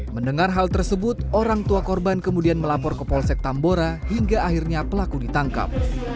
mendengar hal tersebut orang tua korban kemudian melapor ke polsek tambora hingga akhirnya pelaku ditangkap